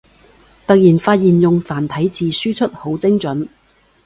突然發現用繁體字輸出好精准